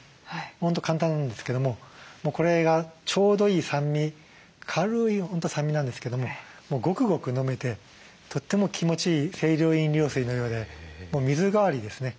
本当簡単なんですけどもこれがちょうどいい酸味軽い本当酸味なんですけどももうごくごく飲めてとっても気持ちいい清涼飲料水のようで水代わりですね。